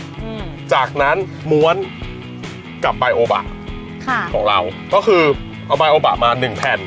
อืมจากนั้นม้วนกับบายโอบะค่ะของเราก็คือเอาบายโอบะมาหนึ่งแผ่น